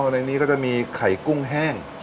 ในนี้ก็จะมีไข่กุ้งแห้ง